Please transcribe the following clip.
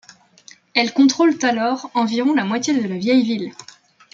Elles contrôlent alors environ la moitié de la vieille ville.